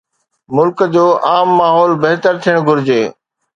ملڪ جو عام ماحول بهتر ٿيڻ گهرجي.